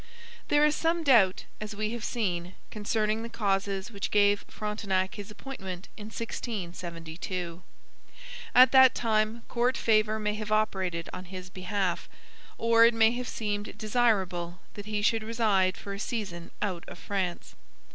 There is some doubt, as we have seen, concerning the causes which gave Frontenac his appointment in 1672. At that time court favour may have operated on his behalf, or it may have seemed desirable that he should reside for a season out of France.